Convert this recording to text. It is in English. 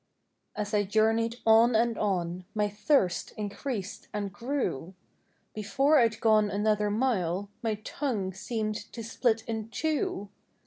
[ 7 ] As I journeyed on and on, My thirst increased and grew; Before I'd gone another mile, My tongue seemed split in two.